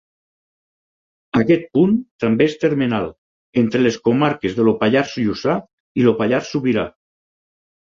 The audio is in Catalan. Aquest punt també és termenal entre les comarques del Pallars Jussà i el Pallars Sobirà.